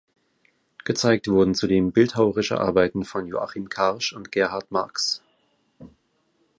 Gezeigt wurden zudem bildhauerische Arbeiten von Joachim Karsch und Gerhard Marcks.